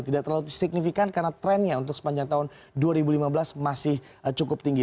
tidak terlalu signifikan karena trennya untuk sepanjang tahun dua ribu lima belas masih cukup tinggi